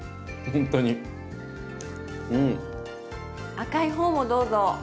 赤い方もどうぞ！